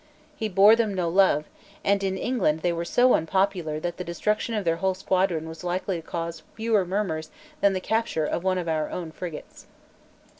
He bore them no love; and in England they were so unpopular that the destruction of their whole squadron was likely to cause fewer murmurs than the capture of one of our own frigates.